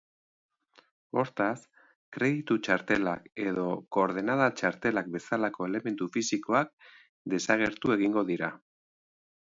Hortaz, kreditu-txartelak edo koordenada-txartelak bezalako elementu fisikoak desagertu egingo dira.